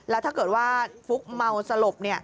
แล้วถ้าเกิดว่าฟุ๊กเมาสลบ